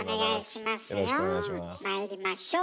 まいりましょう。